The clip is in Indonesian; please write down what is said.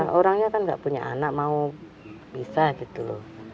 kan sudah orangnya kan nggak punya anak mau pisah gitu lu